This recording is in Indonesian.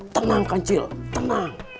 tenang kancil tenang